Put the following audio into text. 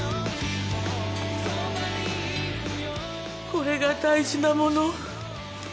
これが大事なもの？